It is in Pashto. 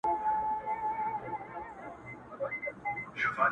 سم خراب سوی دی پر ميکدې نه راځي_